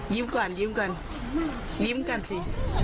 ยิ้มก่อนยิ้มก่อนยิ้มกันสิ